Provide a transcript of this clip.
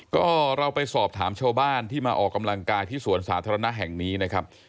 ก็เราไปสอบถามชาวบ้านที่มาออกกำลังกายที่สวนสาธารณะแห่งนี้นะครับ